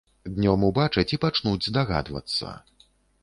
Днём убачаць і пачнуць здагадвацца.